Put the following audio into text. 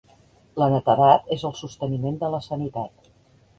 La netedat és el sosteniment de la sanitat.